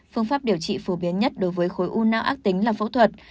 phương pháp điều trị phổ biến nhất đối với khối u não ác tính là phẫu thuật